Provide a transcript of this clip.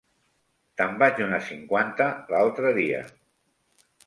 Te'n vaig donar cinquanta l'altre dia.